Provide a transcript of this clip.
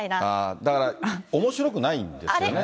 だから、おもしろくないんですよね。